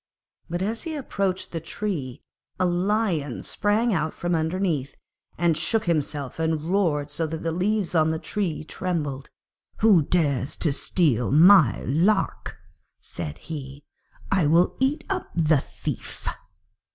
But as he approached the tree a Lion sprang out from underneath, and shook himself, and roared so that the leaves on the tree trembled. 'Who dares to steal my lark?' said he. 'I will eat up the thief!'